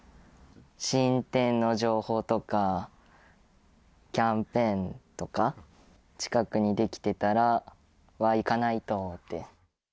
新店の情報とか、キャンペーンとか、近くに出来てたらわー、行かないとって。